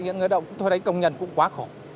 những người đồng tôi thấy công nhân cũng quá khổ